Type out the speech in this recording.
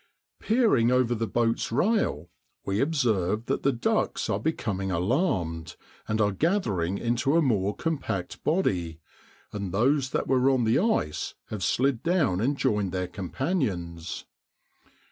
Peering over the boat's rail, we observe that the ducks are becoming alarmed, and are gathering into a more compact body, and those that were on the ice have slid down and joined their companions.